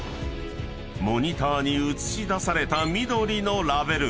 ［モニターに映し出された緑のラベル］